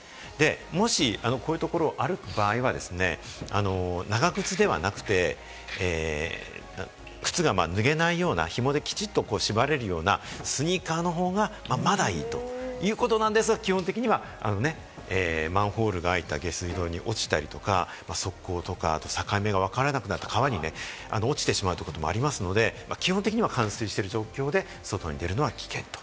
もしこういうところを歩く場合は、長靴ではなくて、靴が脱げないようなひもできちっと縛れるようなスニーカーの方がまだいいということなんですが、基本的にはマンホールがあいた下水道に落ちたり、側溝とか境目がわからなくなった川に落ちてしまう場合もありますので、基本的には冠水している状況で外に出るのは危険。